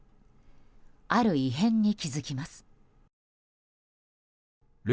ある異変に気付きます。